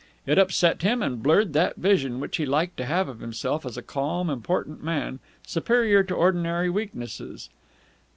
It upset him, and blurred that vision which he liked to have of himself as a calm, important man superior to ordinary weaknesses.